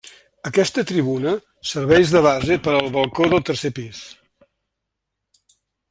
Aquesta tribuna serveix de base per al balcó del tercer pis.